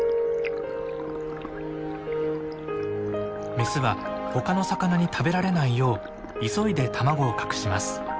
メスは他の魚に食べられないよう急いで卵を隠します。